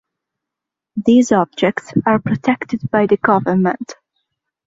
These objects are protected by the government.